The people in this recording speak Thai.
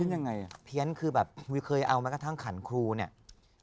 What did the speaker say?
ยังไงอ่ะเพี้ยนคือแบบเคยเอาไหมกระทั่งขันครูเนี่ย